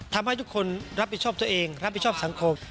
ทำให้ทุกคนรับผิดชอบตัวเองรับผิดชอบสังคม